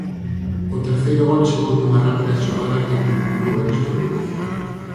O terceiro gol chegou nunha rápida xogada que culminou o ex do Lugo.